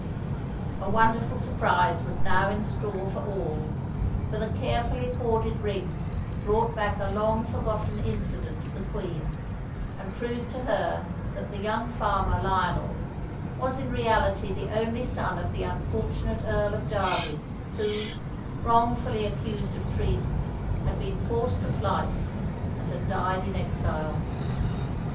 A wonderful surprise was now in store for all; for the carefully hoarded ring brought back a long forgotten incident to the Queen, and proved to her that the young farmer, Lionel, was in reality the only son of the unfortunate Earl of Derby, who, wrongfully accused of treason, had been forced to flight, and had died in exile.